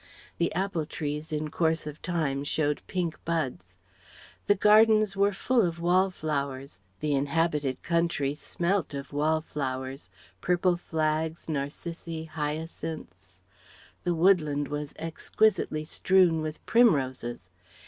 The apple trees in course of time showed pink buds. The gardens were full of wall flowers the inhabited country smelt of wall flowers purple flags, narcissi, hyacinths. The woodland was exquisitely strewn with primroses.